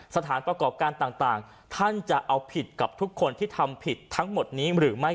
สถานประกอบการต่างท่านจะเอาผิดกับทุกคนที่ทำผิดทั้งหมดนี้หรือไม่